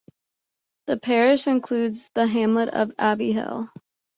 The parish includes the hamlet of Abbey Hill.